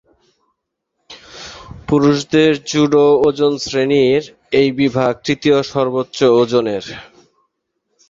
পুরুষদের জুডো ওজন শ্রেণীর এই বিভাগ তৃতীয় সর্বোচ্চ ওজনের।